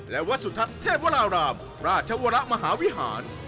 และวัดสุทัศน์เทพวรารามราชวรมหาวิหาร